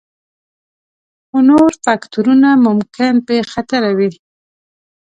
خو نور فکتورونه ممکن بې خطره وي